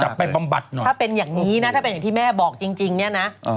ถ้าเป็นอย่างนี้นะถ้าเป็นอย่างที่แม่บอกจริงเนี่ยนะ